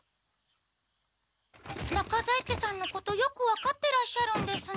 中在家さんのことよく分かってらっしゃるんですね。